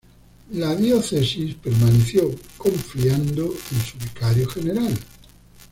La diócesis permaneció confiando en su Vicario General.